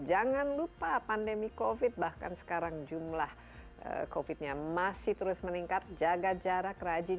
jangan lupa pandemi covid bahkan sekarang jumlah covid nya masih terus meningkat jaga jarak rajin